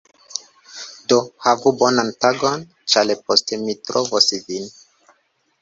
Do, havu bonan tagon, ĉar poste mi trovos vin.